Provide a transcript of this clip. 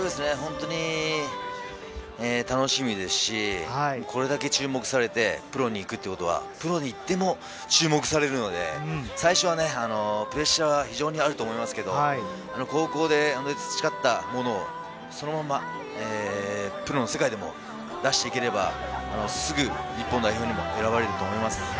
本当に楽しみですし、これだけ注目されてプロに行くということは、プロに行っても注目されるので、最初はプレッシャーが非常にあると思いますけど、高校で培ったものをそのままプロの世界でも出していければ、すぐ日本代表にも選ばれると思います。